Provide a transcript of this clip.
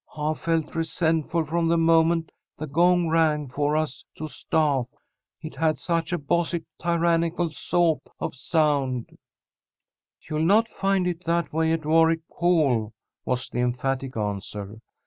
I felt resentful from the moment the gong rang for us to stah't. It had such a bossy, tyrannical sawt of sound." "You'll not find it that way at Warwick Hall," was the emphatic answer.